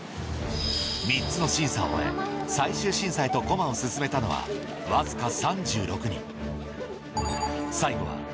３つの審査を終え最終審査へと駒を進めたのはわずか３６人